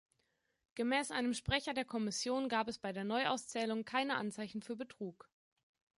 Gemäß einem Sprecher der Kommission gab es bei der Neuauszählung keine Anzeichen für Betrug.